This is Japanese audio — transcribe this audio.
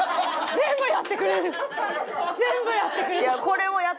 全部やってくれた！